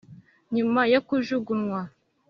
nyuma yo kujugunywa